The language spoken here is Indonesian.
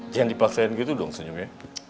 jangan dipaksain gitu dong senyumnya